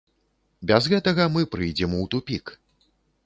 Без гэтага мы прыйдзем у тупік.